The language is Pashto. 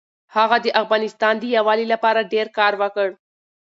هغه د افغانستان د یووالي لپاره ډېر کار وکړ.